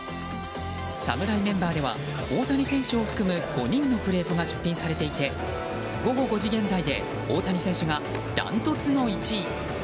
侍メンバーでは大谷選手を含む５人のプレートが出品されていて、午後５時現在で大谷選手がダントツの１位。